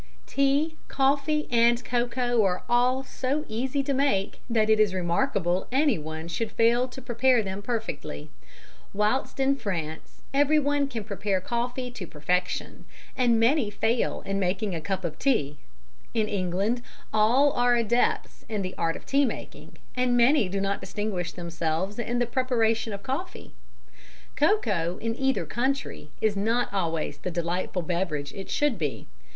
_ Tea, coffee and cocoa are all so easy to make that it is remarkable anyone should fail to prepare them perfectly. Whilst in France everyone can prepare coffee to perfection, and many fail in making a cup of tea, in England all are adepts in the art of tea making, and many do not distinguish themselves in the preparation of coffee. Cocoa in either country is not always the delightful beverage it should be.